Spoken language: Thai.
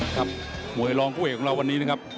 มวยรองคู่เอกของเราวันนี้นะครับ